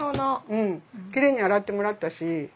うんキレイに洗ってもらったし。